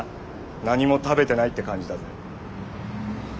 何も食べてないって感じだぜ。